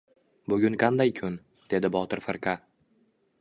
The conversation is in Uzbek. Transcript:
— Bugun qanday kun? —dedi Botir firqa.